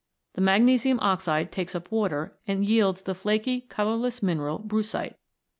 The magnesium oxide takes up water and yields the flaky colourless mineral brucite.